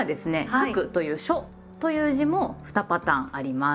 「『書』く」という「書」という字も２パターンあります。